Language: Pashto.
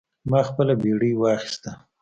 ما خپله بیړۍ واخیسته.